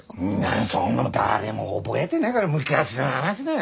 そんなの誰も覚えてないぐらい昔の話だよ